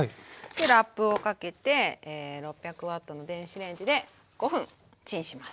ラップをかけて６００Ｗの電子レンジで５分チンします。